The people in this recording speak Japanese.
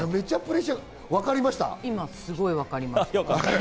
今すごい分かりました。